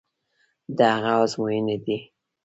د هغه ازموینې دي.